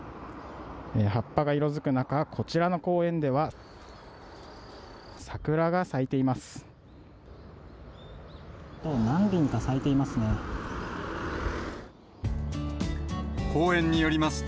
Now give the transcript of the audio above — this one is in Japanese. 葉っぱが色づく中、こちらの公園では、桜が咲いています。